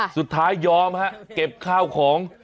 สุดท้ายยอมฮะเก็บข้าวของ